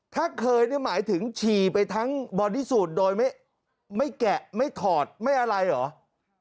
ถ้าเคยนี่หมายถึงฉี่ไปทั้งบอดี้สูตรโดยไม่แกะไม่ถอดไม่อะไรเหรอ